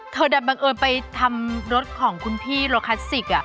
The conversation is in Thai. เธอดับบังเอิญไปทำรถของคุณพี่รถคลาสสิก